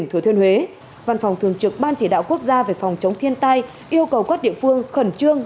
thừa thiên huế văn phòng thường trực ban chỉ đạo quốc gia về phòng chống thiên tai yêu cầu các địa phương khẩn trương